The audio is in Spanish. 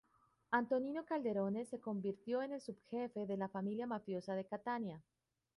Antonino Calderone se convirtió en el subjefe de la familia mafiosa de Catania.